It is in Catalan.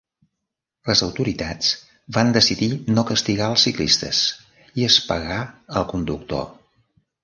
Les autoritats van decidir no castigar els ciclistes, i es pagà al conductor.